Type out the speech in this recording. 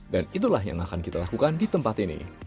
dan itulah yang akan kita lakukan di tempat ini